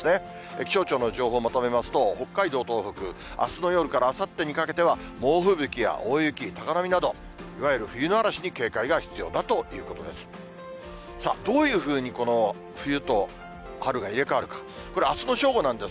気象庁の情報をまとめますと、北海道、東北、あすの夜からあさってにかけては、猛吹雪や大雪、高波など、いわゆる冬の嵐に警戒が必要だということです。